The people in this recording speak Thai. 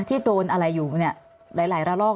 ที่โดนอะไรอยู่หลายละลอก